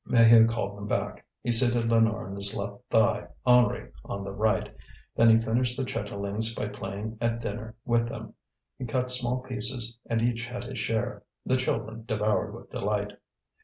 Maheu called them back. He seated Lénore on his left thigh, Henri on the right; then he finished the chitterlings by playing at dinner with them. He cut small pieces, and each had his share. The children devoured with delight.